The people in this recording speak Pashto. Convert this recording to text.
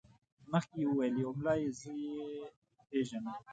مخکې یې وویل یو ملا چې زه یې پېژنم.